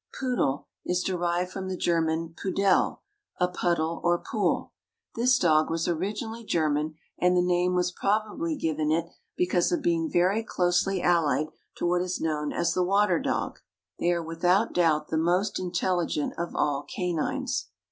Poodle is derived from the German pudel, a puddle or pool. This dog was originally German, and the name was probably given it because of being very closely allied to what is known as the water dog. They are without doubt the most intelligent of all canines.